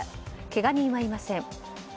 けが人はいません。